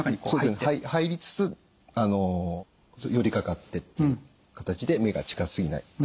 そうですね入りつつ寄りかかってっていう形で目が近すぎない。